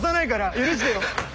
許してよ。